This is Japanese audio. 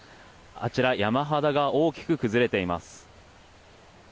あちら山肌が大きく崩れています。